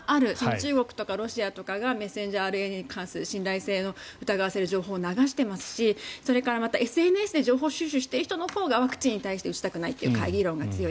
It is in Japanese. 中国とかロシアとかがメッセンジャーＲＮＡに関する信頼性を疑わせるような情報を流していますしそれからＳＮＳで情報収集している人のほうがワクチンに対して打ちたくないという懐疑論が強い。